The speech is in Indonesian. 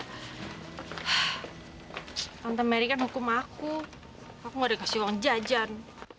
tante mary kan hukum aku aku mau dikasih uang jajan